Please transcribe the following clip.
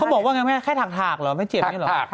เขาบอกว่าไงแค่ถักหรือไม่เจ็บอยู่หรือ